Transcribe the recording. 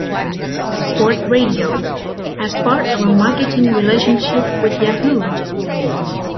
Sports Radio as part of a marketing relationship with Yahoo!.